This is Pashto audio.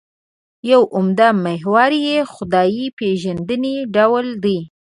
یو عمده محور یې خدای پېژندنې ډول دی.